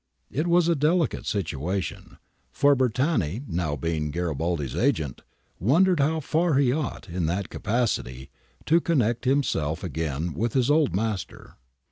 It was a delicate situation : for Bertani, being now Garibaldi's agent, wondered how far he ought, in that capacity, to connect himself again with his old master.